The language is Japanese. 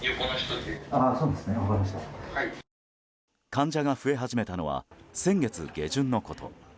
患者が増え始めたのは先月下旬のこと。